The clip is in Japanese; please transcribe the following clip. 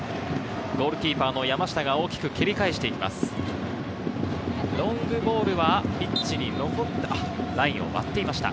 ゴールキーパー・山下が大きく蹴り返していきました。